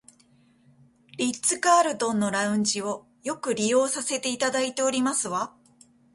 リッツカールトンのラウンジをよく利用させていただいておりますわ